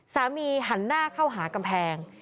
หันหน้าเข้าหากำแพง